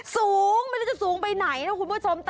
สูงไม่รู้จะสูงไปไหนนะคุณผู้ชม